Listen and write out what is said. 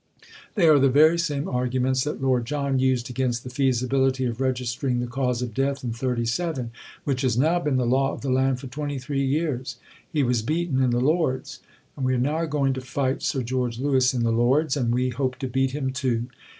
They are the very same arguments that Lord John used against the feasibility of registering the "cause of death" in '37 which has now been the law of the land for 23 years. He was beaten in the Lords. And we are now going to fight Sir George Lewis in the Lords. And we hope to beat him too.